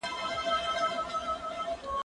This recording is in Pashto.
زه اجازه لرم چي ليکنه وکړم!.